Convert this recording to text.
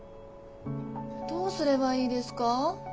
どうすれはいいですか？